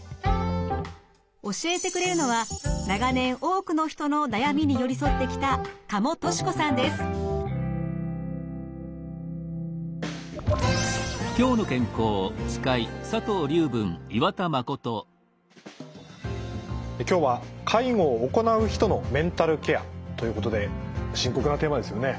教えてくれるのは長年多くの人の悩みに寄り添ってきた今日は介護を行う人のメンタルケアということで深刻なテーマですよね。